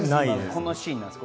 このシーンです。